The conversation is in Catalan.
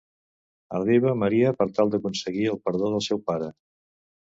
Arriba Maria per tal d'aconseguir el perdó del seu pare.